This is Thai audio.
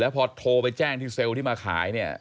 พอโทรไปแจ้งที่เซลล์ที่มาขายเนี่ย